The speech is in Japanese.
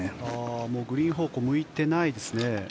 グリーン方向向いてないですね。